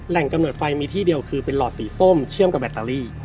กำเนิดไฟมีที่เดียวคือเป็นหลอดสีส้มเชื่อมกับแบตเตอรี่